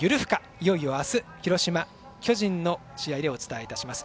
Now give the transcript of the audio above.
いよいよ明日、広島、巨人の試合お伝えいたします。